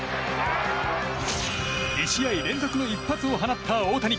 ２試合連続の一発を放った大谷。